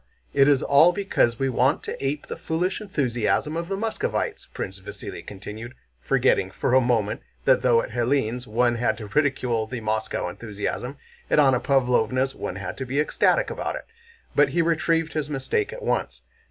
It is all because we want to ape the foolish enthusiasm of those Muscovites," Prince Vasíli continued, forgetting for a moment that though at Hélène's one had to ridicule the Moscow enthusiasm, at Anna Pávlovna's one had to be ecstatic about it. But he retrieved his mistake at once.